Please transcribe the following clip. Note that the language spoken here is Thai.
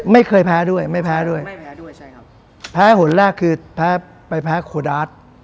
ไม่เคยแพ้ด้วยไม่แพ้ด้วยไม่แพ้ด้วยใช่ครับแพ้หนแรกคือแพ้ไปแพ้โคดาส